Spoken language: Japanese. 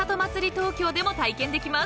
東京でも体験できます］